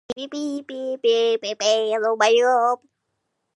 Но когда дело дошло до поисков работы, перед ней закрыли все двери.